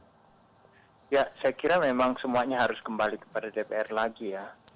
ya saya kira memang semuanya harus kembali kepada dpr lagi ya